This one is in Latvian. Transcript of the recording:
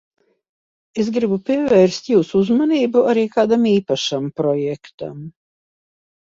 Es gribu pievērst jūsu uzmanību arī kādam īpašam projektam.